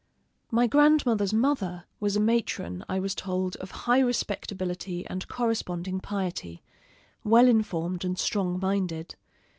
My grandmother's mother was a matron, I was told, of high respectability and corresponding piety; well informed and strong minded.